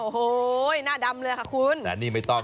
โอ้โฮหน้าดำเลยค่ะคุณ